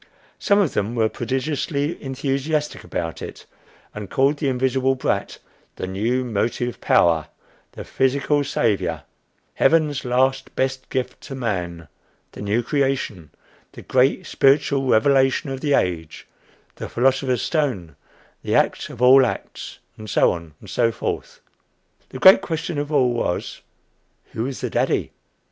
Some of them were prodigiously enthusiastic about it, and called the invisible brat the New Motive Power, the Physical Savior, Heaven's Last Best Gift to Man, the New Creation, the Great Spiritual Revelation of the Age, the Philosopher's Stone, the Act of all Acts, and so on, and so forth. The great question of all was, Who was the daddy?